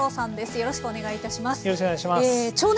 よろしくお願いします。